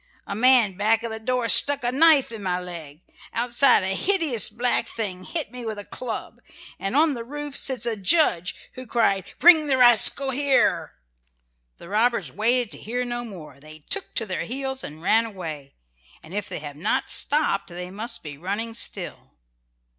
A man back of the door stuck a knife in my leg. Outside a hideous black thing hit me with a club, and on the roof sits a judge who cried, 'Bring the rascal here!'" The robbers waited to hear no more; they took to their heels and ran away, and if they have not stopped they must be running still.